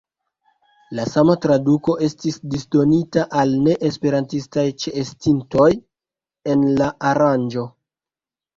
La sama traduko estis disdonita al neesperantistaj ĉeestintoj en la aranĝo.